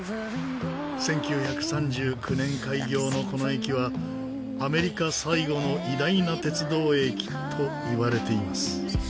１９３９年開業のこの駅は「アメリカ最後の偉大な鉄道駅」といわれています。